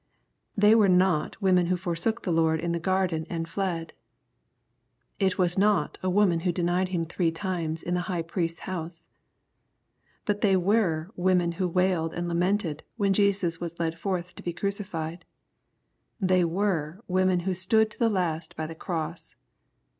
They were not women who forsook the Lord in the garden and fled. It was not a woman who denied Him three times in the high priest's house. — But they were women who wailed and lamented when Jesus was led forth to be crucified. They were women who stood to the last by the cross.